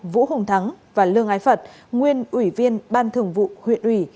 vũ hùng thắng và lương ái phật nguyên ủy viên ban thường vụ huyện ủy